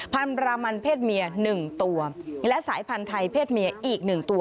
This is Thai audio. บรามันเพศเมีย๑ตัวและสายพันธุ์ไทยเพศเมียอีกหนึ่งตัว